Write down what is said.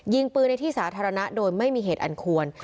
ยิงปืนในที่สาธารณะโดยไม่มีเหตุอันควร